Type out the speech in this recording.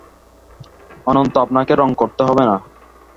অন্তত আপনাকে রং করতে হবে না।